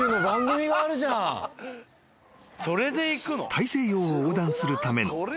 ［大西洋を横断するための手こぎ